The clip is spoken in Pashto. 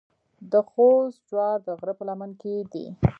د خوست جوار د غره په لمن کې دي.